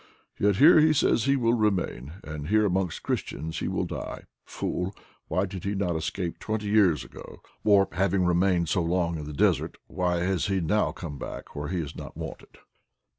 Yet here he says he will remain, and here amongst Christians he will die. Fool, why did he not escape twenty years ago, or, having remained so long in the desert, why has he now come back where he is not wanted!"